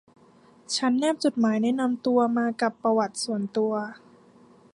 ฉันแนบจดหมายแนะนำตัวมากับปะวัติส่วนตัว